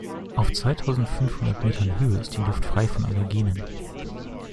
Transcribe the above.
Auf zweitausendfünfhundert Metern Höhe ist die Luft frei von Allergenen.